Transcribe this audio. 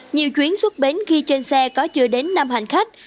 nhiều chuyến xuất bến khi trên xe có chưa đến năm hành khách